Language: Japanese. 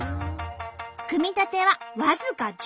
組み立ては僅か１０分。